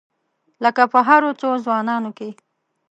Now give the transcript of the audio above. لکه په هرو څو ځوانانو کې.